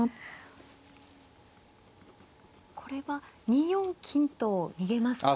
これは２四金と逃げますと。